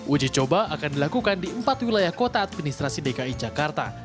uji coba akan dilakukan di empat wilayah kota administrasi dki jakarta